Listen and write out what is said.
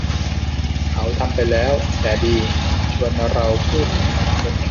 เขาทำไปแล้ว แต่ดี ชวนเราพูดถึงบางคน